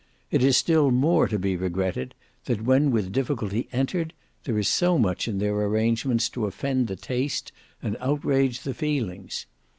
It is still more to be regretted that when with difficulty entered, there is so much in their arrangements to offend the taste and outrage the feelings.